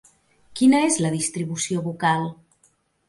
Quina és la distribució vocal?